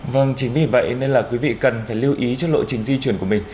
vâng chính vì vậy nên là quý vị cần phải lưu ý trước lộ trình di chuyển của mình